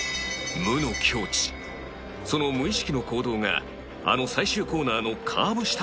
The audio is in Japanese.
無の境地、その無意識の行動があの最終コーナーのカーブ